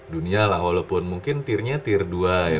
dunia lah walaupun mungkin tiernya tir dua ya